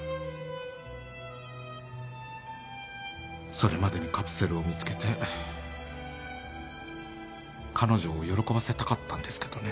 それまでにカプセルを見つけて彼女を喜ばせたかったんですけどね。